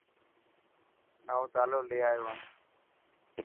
نئو تالو لي آيو هان.